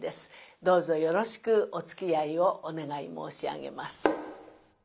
どうぞよろしくおつきあいをお願い申し上げます。